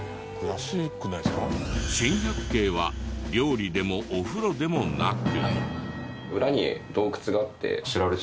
珍百景は料理でもお風呂でもなく。